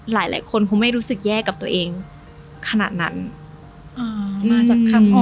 หลายคนคงไม่รู้สึกแย่กับตัวเองขนาดนั้นอ่ามาจากคำออก